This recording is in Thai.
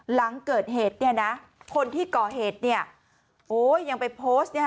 หลังเกิดเหตุคนที่ก่อเหตุโอ้ยยังไปโพสต์